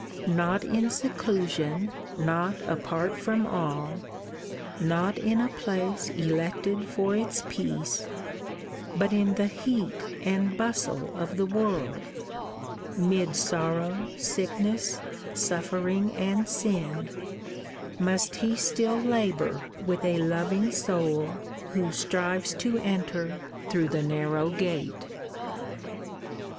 Not in seclusion, not apart from all, Not in a place elected for its peace, But in the heat and bustle of the world, 'Mid sorrow, sickness, suffering and sin, Must he still labour with a loving soul Who strives to enter through the narrow gate.